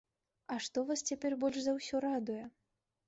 А што вас цяпер больш за ўсё радуе?